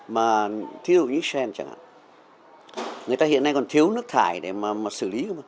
mà thí dụ như israel chẳng hạn người ta hiện nay còn thiếu nước thải để mà xử lý